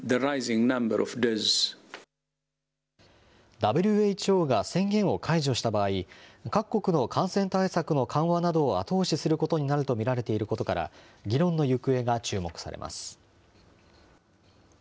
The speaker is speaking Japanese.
ＷＨＯが宣言を解除した場合、各国の感染対策の緩和などを後押しすることになると見られていることから、議論の行方が注目されます。